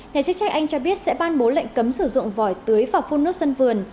nhà chức trách anh cho biết sẽ ban bố lệnh cấm sử dụng vỏ tưới và phun nước sân vườn